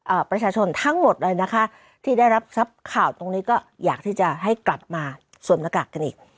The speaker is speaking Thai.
ประชาชนทั้งหมดเลยนะคะที่ได้รับทรัพย์ข่าวตรงนี้ก็อยากที่จะให้กลับมาสวมหน้ากากกันอีก